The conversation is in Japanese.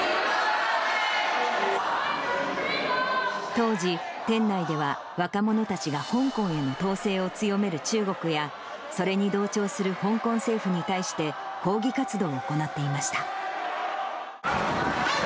当時、店内では若者たちが香港への統制を強める中国や、それに同調する香港政府に対して、抗議活動を行っていました。